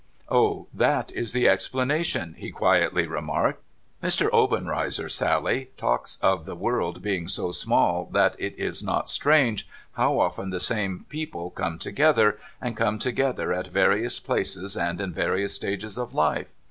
' Ah ! That is the explanation !' he quietly remarked. ' Mr. Obenreizer, Sally, talks of the world being so small that it is not strange how often the same people come together, and come together at various places, and in various stages of life.